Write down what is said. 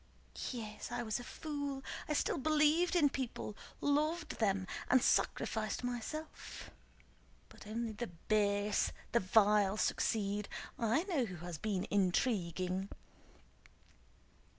"Yes, I was a fool! I still believed in people, loved them, and sacrificed myself. But only the base, the vile succeed! I know who has been intriguing!"